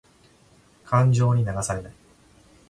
感情に流されない。